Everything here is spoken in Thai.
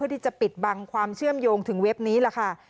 ที่จะปิดบังความเชื่อมโยงถึงเว็บนี้ล่ะค่ะ